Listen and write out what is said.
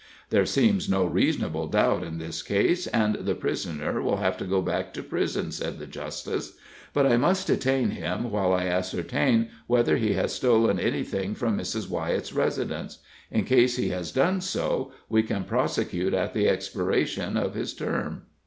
"There seems no reasonable doubt in this case, and the prisoner will have to go back to prison," said the justice. "But I must detain him until I ascertain whether he has stolen anything from Mrs. Wyett's residence. In case he has done so, we can prosecute at the expiration of his term."